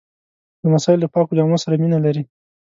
لمسی له پاکو جامو سره مینه لري.